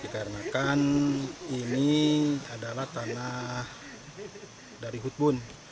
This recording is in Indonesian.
karena ini adalah tanah dari hutbun